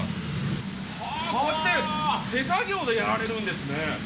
こうやって手作業でやられるんですね。